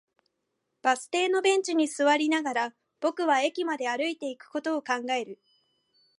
バス停のベンチに座りながら、僕は駅まで歩いていくことを考える